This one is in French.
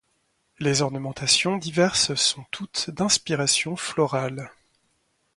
Les ornementations diverses sont toutes d'inspiration florale.